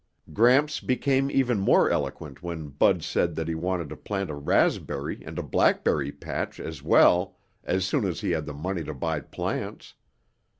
Gramps became even more eloquent when Bud said that he wanted to plant a raspberry and a blackberry patch as well as soon as he had the money to buy plants.